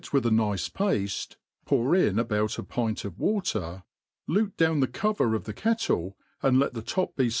with a^nke pafte, pour in about a pint of water, lute down the cover of the Icedle, and let the top be